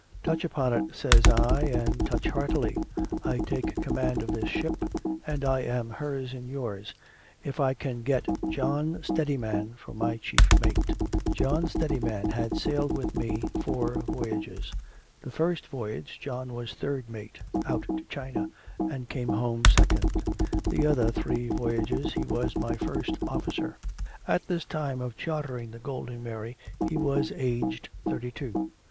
"Touch upon it," says I, "and touch heartily. I take command of this ship, and I am hers and yours, if I can get John Steadiman for my chief mate." John Steadiman had sailed with me four voyages. The first voyage John was third mate out to China, and came home second. The other three voyages he was my first officer. At this time of chartering the Golden Mary, he was aged thirty two.